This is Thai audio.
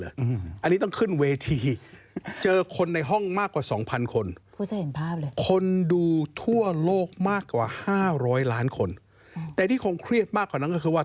๕ร้อยล้านคนแต่ที่คงเครียดมากกว่านั้นก็คือว่า